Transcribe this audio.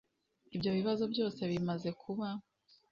Ibyo bibazo byose bimaze kuba